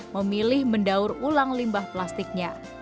memilih mendaur ulang limbah plastiknya